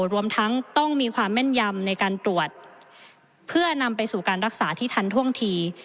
รวมทั้งต้องมีความแม่นยำในการตรวจเพื่อนำไปสู่การรักษาที่ทันท่วงที